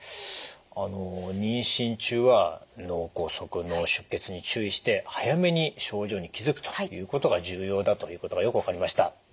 あの妊娠中は脳梗塞脳出血に注意して早めに症状に気付くということが重要だということがよく分かりました。